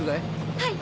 はい。